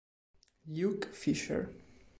Luke Fischer